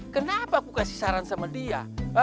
kenapa aku kasih saran sama dia